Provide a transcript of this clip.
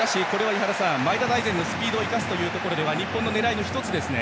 井原さん、前田大然のスピードを生かすというところでは日本の狙いの１つですね。